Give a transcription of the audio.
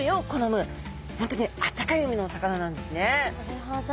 なるほど。